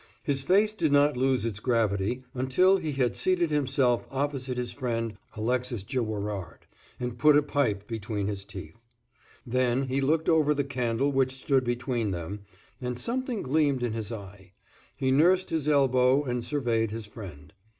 His face did not lose its gravity until he had seated himself opposite his friend Alexis Girouard, and put a pipe between his teeth. Then he looked over the candle which stood between them, and something gleamed in his eye; he nursed his elbow and surveyed his friend.